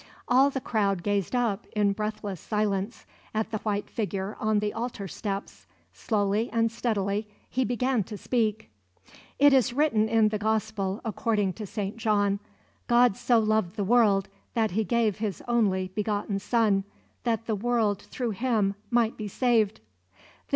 All the crowd gazed up, in breathless silence, at the white figure on the altar steps. Slowly and steadily he began to speak: "It is written in the Gospel according to St. John: 'God so loved the world, that He gave His only begotten Son that the world through Him might be saved.'